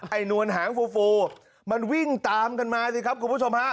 นวลหางฟูฟูมันวิ่งตามกันมาสิครับคุณผู้ชมฮะ